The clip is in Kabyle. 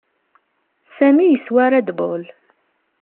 Sami yeswa Red Bull.